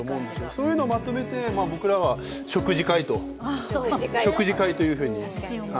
そういうのまとめて僕らは食事会というふうに。